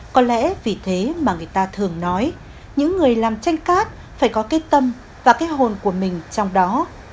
có lẽ vì thế mà người ta thường nói những người làm tranh cát phải có cái tâm và cái hồn của mình trong đó